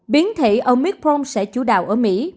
biến thể omicron sẽ chủ đạo ở mỹ